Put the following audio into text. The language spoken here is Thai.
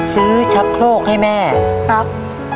ชักโครกให้แม่ครับ